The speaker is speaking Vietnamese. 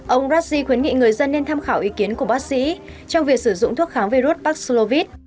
ông rassi khuyến nghị người dân nên tham khảo ý kiến của bác sĩ trong việc sử dụng thuốc kháng virus paxlovit